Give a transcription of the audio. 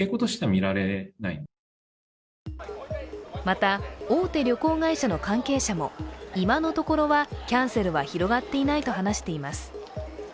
また大手旅行会社の関係者も、今のところはキャンセルは広がっていないと話しています。